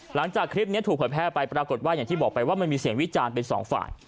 หลังจากคลิปนี้ถูกเผยแพร่ไปปรากฏว่าอย่างที่บอกไปว่ามันมีเสียงวิจารณ์เป็นสองฝ่าย